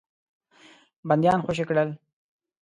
بندیان خوشي کړل.